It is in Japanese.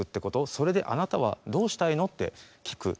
それであなたはどうしたいの？って聞く。